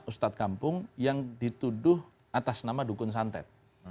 ustadz kampung yang dituduh atas nama dukun santet